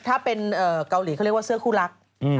ถ้าเป็นเกาหลีเขาเรียกว่าเสื้อคู่รัก